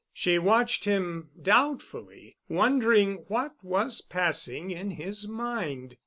She watched him doubtfully, wondering what was passing in his mind.